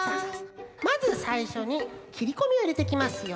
まずさいしょにきりこみをいれていきますよ。